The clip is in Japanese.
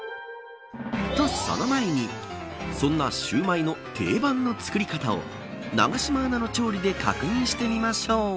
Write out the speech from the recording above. とその前に、そんなシューマイの定番の作り方を永島アナの調理で確認してみましょう。